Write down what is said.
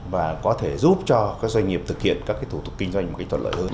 và có thể giúp cho các doanh nghiệp thực hiện các thủ tục kinh doanh một cách thuận lợi hơn